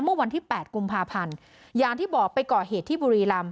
เมื่อวันที่๘กุมภาพันธ์อย่างที่บอกไปก่อเหตุที่บุรีรำ